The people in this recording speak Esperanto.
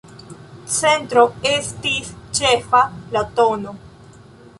Centro estis ĉefa, la tn.